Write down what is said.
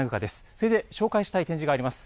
それで紹介したい展示があります。